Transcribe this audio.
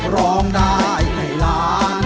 ร้องดายให้ราน